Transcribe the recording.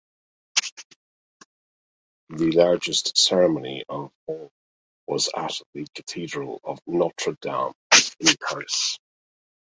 The largest ceremony of all was at the cathedral of Notre Dame in Paris.